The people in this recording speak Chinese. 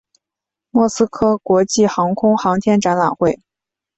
莫斯科国际航空航天展览会。